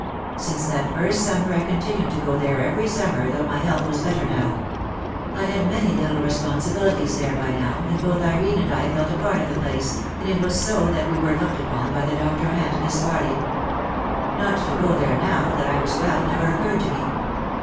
Since that first summer I continued to go there every summer though my health was better now. I had many little responsibilities there by now, and both Irene and I felt a part of the place, and it was so that we were looked upon by the doctor and Miss Farly. Not to go there now that I was well never occurred to me.